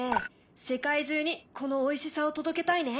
世界中にこのおいしさを届けたいね。